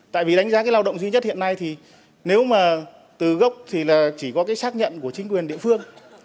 tại vì đánh giá cái lao động duy nhất hiện nay thì nếu mà từ gốc thì là chỉ có cái xác nhận của chính quyền địa phương